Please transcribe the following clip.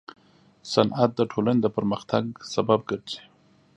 صنعت د ټولنې د پرمختګ سبب ګرځي.